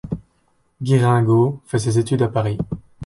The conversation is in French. Guiringaud fait ses études à Paris.